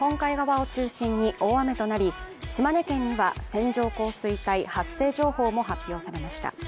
今日は西日本の日本海側を中心に大雨となり島根県には線状降水帯発生情報も発表されました。